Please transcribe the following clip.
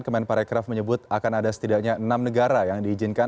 kemenparekraf menyebut akan ada setidaknya enam negara yang diizinkan